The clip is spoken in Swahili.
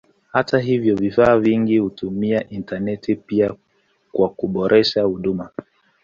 Hata hivyo vifaa vingi hutumia intaneti pia kwa kuboresha huduma.